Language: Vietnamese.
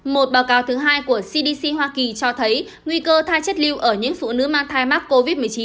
một báo cáo thứ hai của cdc hoa kỳ cho thấy nguy cơ tha chất lưu ở những phụ nữ mang thai mắc covid một mươi chín